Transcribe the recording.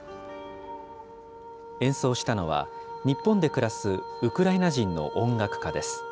演奏したのは、日本で暮らすウクライナ人の音楽家です。